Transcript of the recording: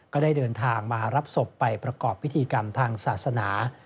ก็ได้เดินทางมารับศพไปประกอบพิธีกรรมทางศาสนา